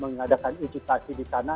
mengadakan edukasi di sana